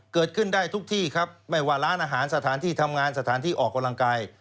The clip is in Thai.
เกิดขึ้นได้ทุกที่ครับไม่ว่าร้านอาหารสถานที่ทำงานสถานที่ออกกำลังกาย